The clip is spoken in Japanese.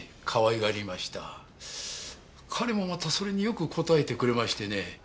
彼もまたそれによく応えてくれましてね